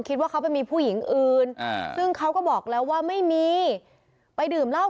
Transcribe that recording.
คิดว่าเขาไปมีผู้หญิงอื่นซึ่งเขาก็บอกแล้วว่าไม่มีไปดื่มเหล้า